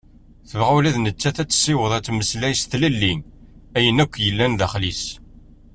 Tebɣa ula d nettat ad tessiweḍ ad temmeslay s tlelli ayen akk yellan daxel-is.